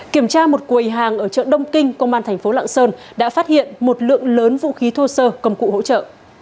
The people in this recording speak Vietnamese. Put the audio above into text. kiểm tra một quầy hàng ở chợ đông kinh công an thành phố lạng sơn đã phát hiện một lượng lớn vũ khí thô sơ công cụ hỗ trợ